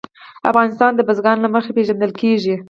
افغانستان د بزګان له مخې پېژندل کېږي.